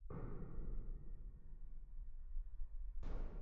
আর একটা দেই?